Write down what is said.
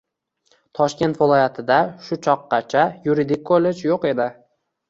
Toshkent viloyatida shu choqqacha Yuridik kollej yoʻq edi.